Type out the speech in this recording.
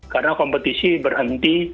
karena kompetisi berhenti